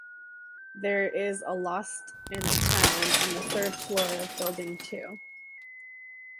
There is a lost and found on the third floor of building two;